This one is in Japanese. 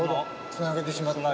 つなげてしまった。